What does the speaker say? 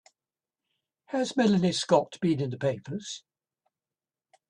Has Melanie Scott been in the papers?